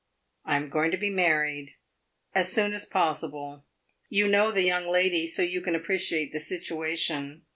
I am going to be married as soon as possible. You know the young lady, so you can appreciate the situation.